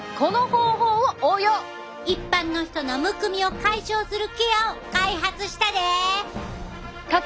一般の人のむくみを解消するケアを開発したで！